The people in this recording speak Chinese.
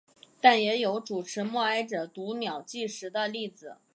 但也有主持默哀者读秒计时的例子。